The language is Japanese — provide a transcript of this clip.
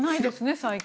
最近。